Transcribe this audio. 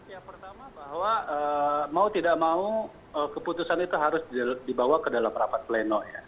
ya pertama bahwa mau tidak mau keputusan itu harus dibawa ke dalam rapat pleno ya